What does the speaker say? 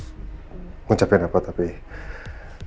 hanya bisa mengungkapkan banyak terima kasih